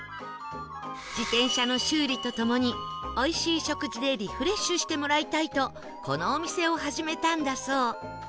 自転車の修理とともにおいしい食事でリフレッシュしてもらいたいとこのお店を始めたんだそう